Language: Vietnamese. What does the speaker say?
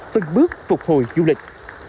từng bước phục hồi du lịch